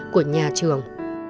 của nhà trường